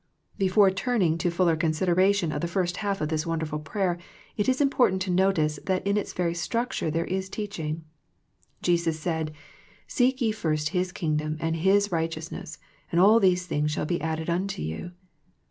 Before turning to fuller consideration of the first half of this wonderful prayer, it is important to notice that in its very structure there is teaching. Jesus said, " Seek ye first His Kingdom, and His right eousness ; and all these things shall be added unto you."